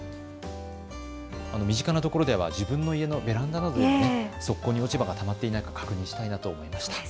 身近なところでは自分の家のベランダなど側溝に落ち葉がたまっていないか確認しないとと思いました。